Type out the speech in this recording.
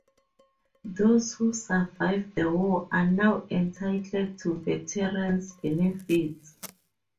Those who survived the war are not entitled to veterans' benefits.